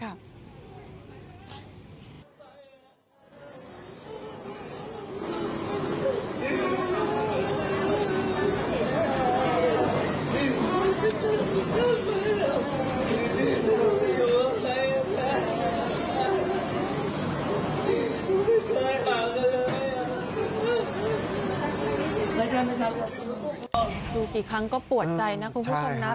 ดูกี่ครั้งก็ปวดใจนะคุณผู้ชมนะ